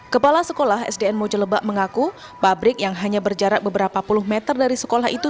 kepala sekolah sdn mojelebak mengaku pabrik yang hanya berjarak beberapa puluh meter dari sekolah itu